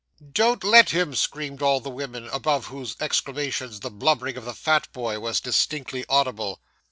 'Don't let him!' screamed all the women, above whose exclamations the blubbering of the fat boy was distinctly audible.